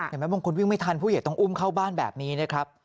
บางคนวิ่งไม่ทันผู้ใหญ่ต้องอุ้มเข้าบ้านแบบนี้นะครับ